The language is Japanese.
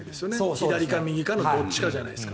左か右かのどっちかじゃないですか。